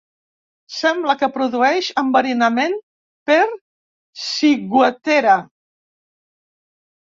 Sembla que produeix enverinament per ciguatera.